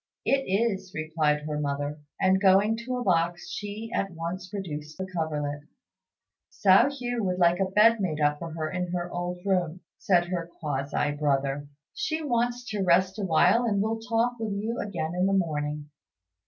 "It is," replied her mother, and, going to a box, she at once produced the coverlet. "Hsiao hui would like a bed made up for her in her old room," said her (quasi) brother; "she wants to rest awhile, and will talk with you again in the morning."